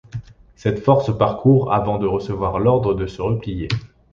Cette force parcourt avant de recevoir l'ordre de se replier.